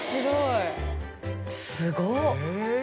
すごっ！